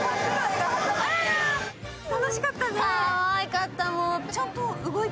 楽しかったね。